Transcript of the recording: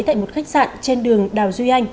tại một khách sạn trên đường đào duy anh